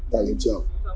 tại hiện trường